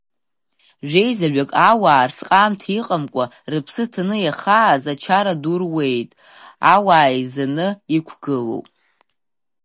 Жәеизаҩык ауаа арсҟаамҭа иҟамкәа, рыԥсы ҭаны иахааз, ачара ду руеит, ауаа еизаны иқәгылоуп.